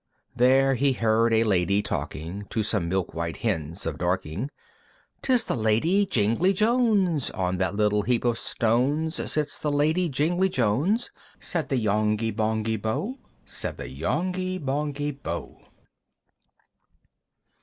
There he heard a Lady talking, To some milk white Hens of Dorking, "'Tis the Lady Jingly Jones! "On that little heap of stones "Sits the Lady Jingly Jones!" Said the Yonghy Bonghy Bò, Said the Yonghy Bonghy Bò. III.